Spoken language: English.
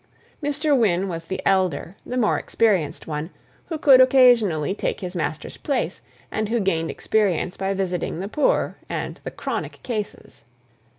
Mr. Wynne was the elder, the more experienced one, who could occasionally take his master's place, and who gained experience by visiting the poor, and the "chronic cases."